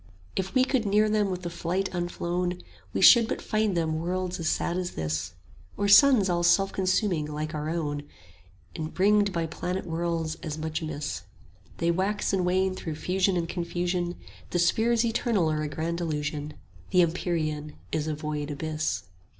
If we could near them with the flight unflown, We should but find them worlds as sad as this, Or suns all self consuming like our own Enringed by planet worlds as much amiss: 25 They wax and wane through fusion and confusion; The spheres eternal are a grand illusion, The empyrean is a void abyss.